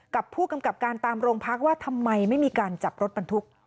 กับผู้กำกับการตามโรงพักว่าทำไมไม่มีการจับรถบรรทุก